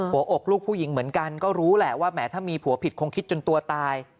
หัวอกลูกผู้หญิงเหมือนกันก็รู้แหละว่าแหมถ้ามีผัวผิดคงคิดจนตัวตาย